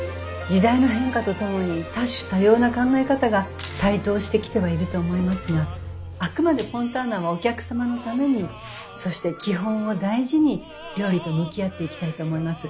時代の変化とともに多種多様な考え方が台頭してきてはいると思いますがあくまでフォンターナはお客様のためにそして基本を大事に料理と向き合っていきたいと思います。